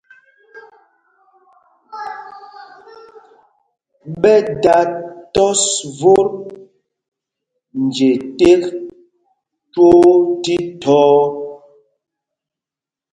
Ɓɛ dā tɔs vot nje tēk twóó thíthɔɔ.